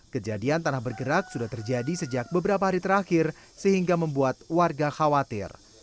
kejadian tanah bergerak sudah terjadi sejak beberapa hari terakhir sehingga membuat warga khawatir